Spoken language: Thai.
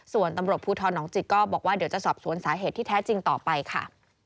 ส่วนตำรวจภูทรหนองจิกก็บอกว่าเดี๋ยวจะสอบสวนสาเหตุที่แท้จริงต่อไปค่ะ